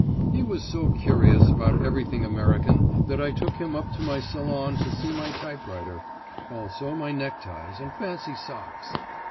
He was so curious about everything American that I took him up to my salon to see my typewriter; also my neckties and fancy socks.